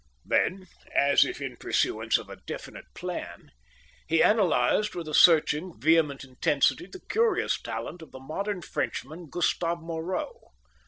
Then, as if in pursuance of a definite plan, he analysed with a searching, vehement intensity the curious talent of the modern Frenchman, Gustave Moreau.